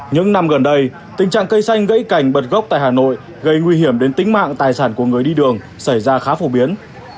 những năm gần đây tình trạng cây xanh gãy cành bật gốc tại hà nội gây nguy hiểm đến tính mạng tài sản của người đi đường xảy ra khá phổ biến